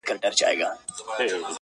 خدای دي رحم پر زاړه کفن کښ وکي-